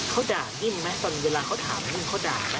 เขาด่าจิ้มไหมส่วนเวลาเขาถามว่าจิ้มเขาด่าไหม